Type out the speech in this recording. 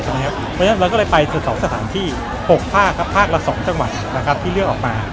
เพราะฉะนั้นเราก็เลยไป๑๒สถานที่๖ภาคครับภาคละ๒จังหวัดที่เลือกออกมา